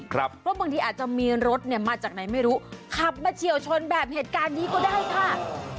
เพราะบางทีอาจจะมีรถเนี่ยมาจากไหนไม่รู้ขับมาเฉียวชนแบบเหตุการณ์นี้ก็ได้ค่ะ